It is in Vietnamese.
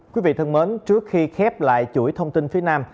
quý vị thân mến trước khi khép lại chuỗi thông tin phía nam